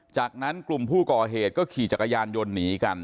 จากนั้นกลุ่มผู้ก่อเหตุก็ขี่จักรยานยนต์หนีกัน